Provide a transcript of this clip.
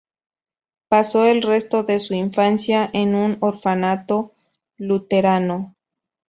Pasó el resto de su infancia en un orfanato luterano.